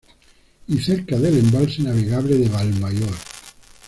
Y cerca del embalse navegable de Valmayor.